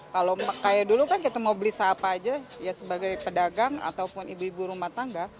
kalau kayak dulu kan kita mau beli sahapa aja ya sebagai pedagang ataupun ibu ibu rumah tangga